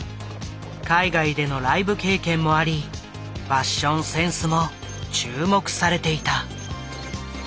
海外でのライブ経験もありファッションセンスも注目されていた。